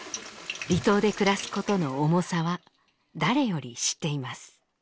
離島で暮らすことの重さは誰より知っています